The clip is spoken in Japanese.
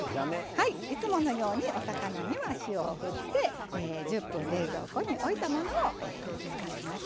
いつものようにお魚には塩をふって１０分冷蔵庫においたものを使います。